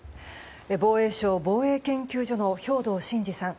防衛省防衛研究所の兵頭慎治さん。